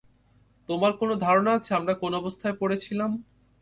তোমার কোন ধারণা আছে আমরা কোন অবস্থায় পরেছিলাম?